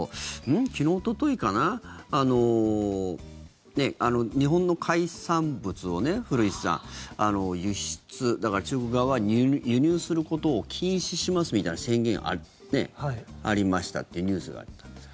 昨日、おとといかな日本の海産物を古市さん輸出、中国側は輸入することを禁止しますみたいな宣言がありましたってニュースにありました。